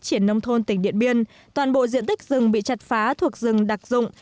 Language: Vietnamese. triển nông thôn tỉnh điện biên toàn bộ diện tích rừng bị chặt phá thuộc rừng đặc dụng